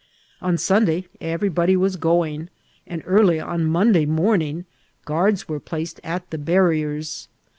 On Sunday everybody was go ing, and early on Monday morning guards were placed at the barriers.